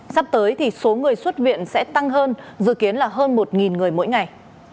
sắp tới thì số người xuất viện sẽ tăng hơn dự kiến là hơn một người mỗi ngày